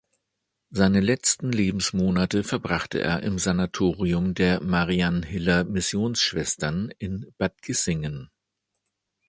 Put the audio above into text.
Seine letzten Lebensmonate verbrachte er im Sanatorium der Mariannhiller Missionsschwestern in Bad Kissingen.